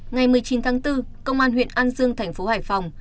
ngày một mươi chín tháng bốn công an huyện an dương tp hải phòng